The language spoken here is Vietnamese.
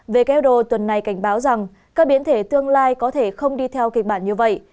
who tuần này cảnh báo rằng các biến thể tương lai có thể không đi theo kịch bản như vậy